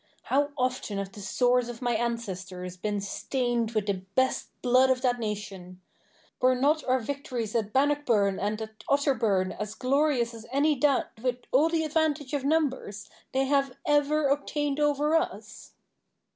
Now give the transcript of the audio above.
How often have the swords of my ancestors been stained with the best blood of that nation! Were not our victories at Bannockburn and at Otterburn as glorious as any that, with all the advantage of numbers, they have ever obtained over us?